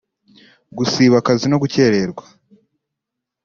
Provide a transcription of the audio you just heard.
gusiba akazi no gukerererwa